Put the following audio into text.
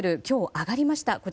今日、上がりました。